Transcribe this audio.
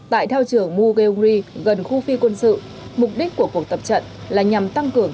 tại thao trường mugheguri gần khu phi quân sự mục đích của cuộc tập trận là nhằm tăng cường